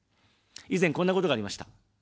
以前、こんなことがありました。